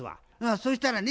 そしたらね